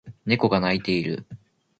猫が鳴いている